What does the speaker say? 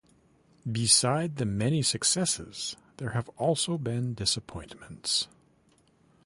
Beside the many successes, there have also been disappointments.